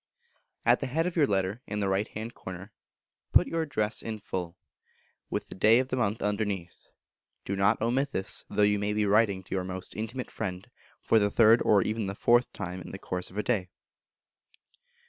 At the head of your Letter, in the right hand corner, put your address in full, with the day of the month underneath; do not omit this, though you may be writing to your most intimate friend for the third or even the fourth time in the course of a day.